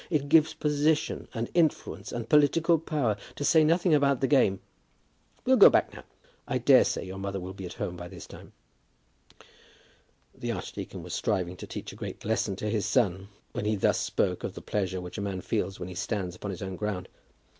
It gives position and influence and political power, to say nothing about the game. We'll go back now. I daresay your mother will be at home by this time." The archdeacon was striving to teach a great lesson to his son when he thus spoke of the pleasure which a man feels when he stands upon his own ground.